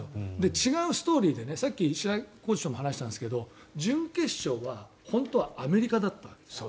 違うストーリーでさっき白井コーチとも話したんですけど準決勝は本当はアメリカだったわけですよ。